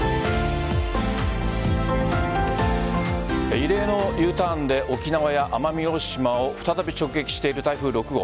異例のＵターンで沖縄や奄美大島を再び直撃している、台風６号。